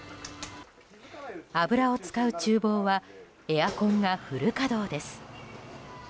油を使う厨房はエアコンがフル稼働です。